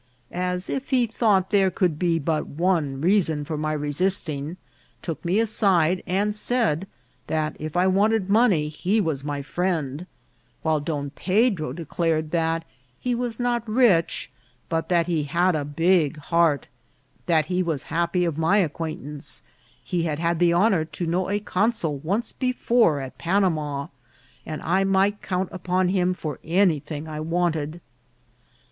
as if he thought there could be but one reason* for my resisting, took me aside, and said that if I wanted money he was my friend, while Don Pedro" declared that he was not rich, but that he had a big heart ; that he was happy of my acquaint ance ; he had had the honour to know a consul once before at Panama, and I might count upon him for any thing I wanted.